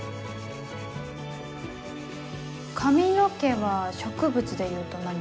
髪の毛は植物でいうと何？